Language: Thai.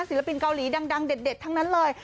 ศิลปินเกาหลีดังเด็ดทั้งนั้นเลย